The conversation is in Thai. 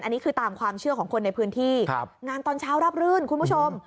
อันนี้คือตามความเชื่อของคนในพื้นที่งานตอนเช้าราบรื่นคุณผู้ชม